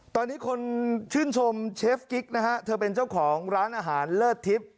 ตอนนี้คนชื่นชมเชฟกิ๊กนะฮะเธอเป็นเจ้าของร้านอาหารเลิศทิพย์